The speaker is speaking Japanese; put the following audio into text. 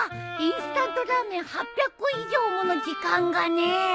インスタントラーメン８００個以上もの時間がねえ。